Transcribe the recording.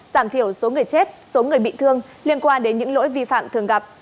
giảm thiểu số người chết số người bị thương liên quan đến những lỗi vi phạm thường gặp